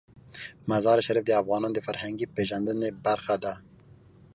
مزارشریف د افغانانو د فرهنګي پیژندنې برخه ده.